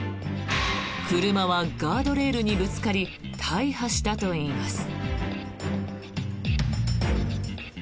車はガードレールにぶつかり大破したといいます。